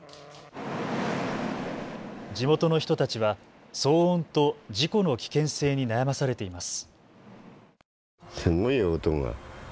地元の人たちは騒音と事故の危険性に悩まされています。